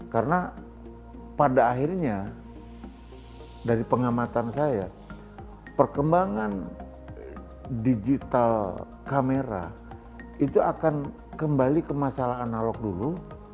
karena pada akhirnya dari pengamatan saya perkembangan digital kamera itu akan kembali ke masalah analog dulu